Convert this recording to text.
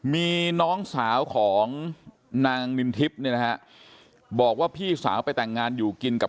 มีน้องสาวของนางนินทิพย์เนี่ยนะฮะบอกว่าพี่สาวไปแต่งงานอยู่กินกับ